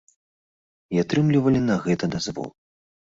І атрымлівалі на гэта дазвол.